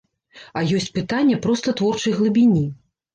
А ёсць пытанне проста творчай глыбіні.